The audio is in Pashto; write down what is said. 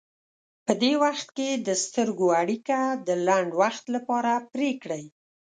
په دې وخت کې د سترګو اړیکه د لنډ وخت لپاره پرې کړئ.